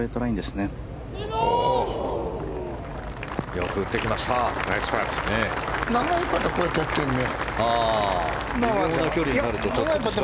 よく打ってきました。